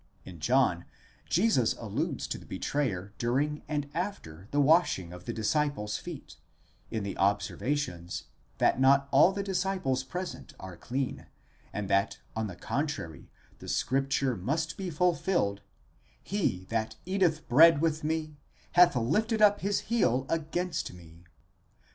In John, Jesus alludes to the betrayer during and after the washing of the disciples' feet, in the observations, that not all the disciples present are clean, and that on the contrary the scripture must be fulfilled: e that eateth bread with me, hath lifted up his heel against me.